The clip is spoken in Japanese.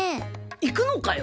行くのかよ！